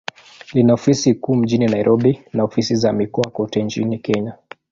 Lina ofisi kuu mjini Nairobi, na ofisi za mikoa kote nchini Kenya.